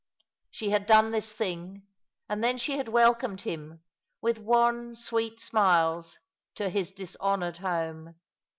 She had done this thing, and then she had welcomed him, with wan, sweet smiles, to his dishonoured home.